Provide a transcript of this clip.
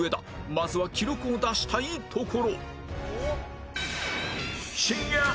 まずは記録を出したいところ